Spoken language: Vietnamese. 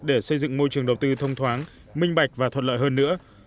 để xây dựng môi trường đầu tư thông thoáng minh bạch và thuận lợi hơn nữa